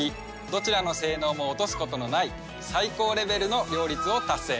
どちらの性能も落とすことのない最高レベルの両立を達成。